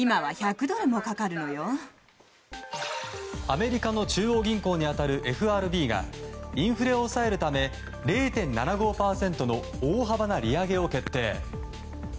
アメリカの中央銀行に当たるＦＲＢがインフレを抑えるため０．７５％の大幅な利上げを決定。